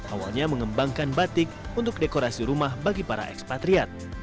awalnya mengembangkan batik untuk dekorasi rumah bagi para ekspatriat